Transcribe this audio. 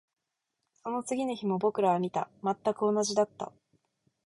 その次の日も僕らは見た。全く同じだった。